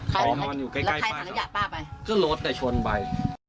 ใครนอนอยู่ใกล้ป้าค่ะแล้วใครขนยาป้าไปคือรถแต่ชวนไป